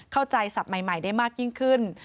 เข้าใจศัพท์ใหม่ได้มากยิ่งขึ้น